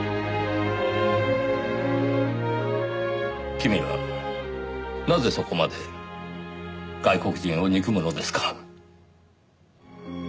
君はなぜそこまで外国人を憎むのですか？